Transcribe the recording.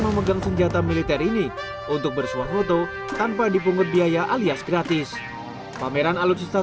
memegang senjata militer ini untuk bersuah foto tanpa dipungut biaya alias gratis pameran alutsista